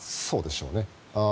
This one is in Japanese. そうでしょうね。